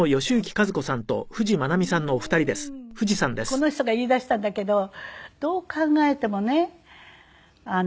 この人が言いだしたんだけどどう考えてもね。